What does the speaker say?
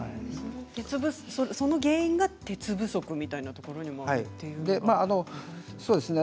その原因が鉄不足みたいなところにあるんですか？